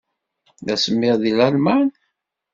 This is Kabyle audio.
D asemmiḍ deg Lalman?